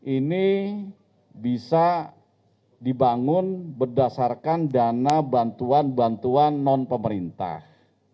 ini bisa dibangun berdasarkan dana bantuan bantuan non pemerintah